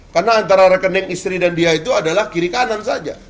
karena antara rekening istri dan dia itu adalah kiri kanan saja